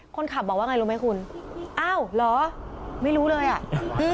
คนขับบอกว่าไงรู้ไหมคุณอ้าวเหรอไม่รู้เลยอ่ะ